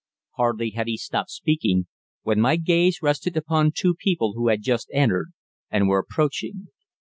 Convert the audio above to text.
Hardly had he stopped speaking, when my gaze rested upon two people who had just entered and were approaching.